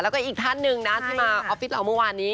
แล้วก็อีกท่านหนึ่งนะที่มาออฟฟิศเราเมื่อวานนี้